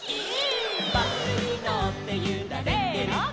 「バスにのってゆられてる」せの！